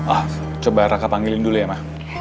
ah coba raka panggilin dulu ya ma